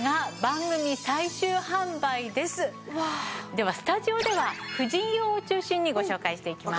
ではスタジオでは婦人用を中心にご紹介していきます。